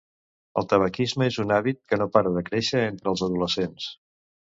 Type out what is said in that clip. El tabaquisme és un hàbit que no para de créixer entre els adolescents.